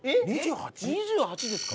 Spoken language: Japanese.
２８ですか？